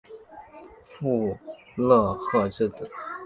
傅勒赫之子。